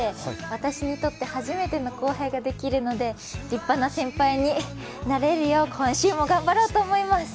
私にとって初めての後輩ができるので、立派な先輩になれるよう今週も頑張ろうと思います。